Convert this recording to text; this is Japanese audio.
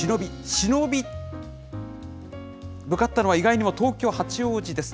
忍び、向かったのは、意外にも東京・八王子です。